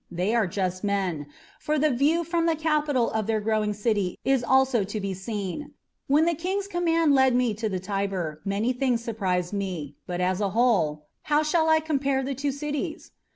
They are just men, for the view from the Capitol of their growing city is also to be seen. When the King's command led me to the Tiber, many things surprised me; but, as a whole, how shall I compare the two cities?